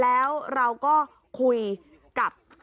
แล้วเราก็คุยกับคนแถวนั้น